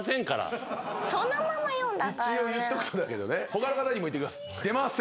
一応言っとくとだけどね他の方にも言っときます。